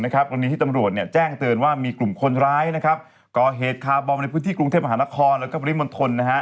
กรณีที่ตำรวจแจ้งเตือนว่ามีกลุ่มคนร้ายนะครับก่อเหตุคาร์บอมในพื้นที่กรุงเทพมหานครแล้วก็ปริมณฑล